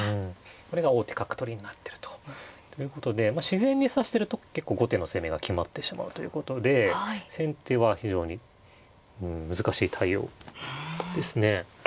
これが王手角取りになってると。ということで自然に指してると結構後手の攻めが決まってしまうということで先手は非常に難しい対応ですね。